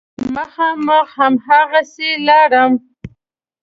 مخامخ هماغسې لاړم.